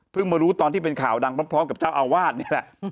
มารู้ตอนที่เป็นข่าวดังพร้อมกับเจ้าอาวาสนี่แหละ